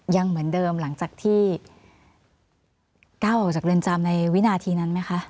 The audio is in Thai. ยังเหมือนเดิมหลังจากที่ก้าวออกจากเรือนจำในวินาทีนั้นไหมคะ